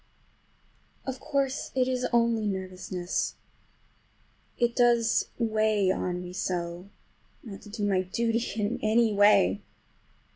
Of course it is only nervousness. It does weigh on me so not to do my duty in any way!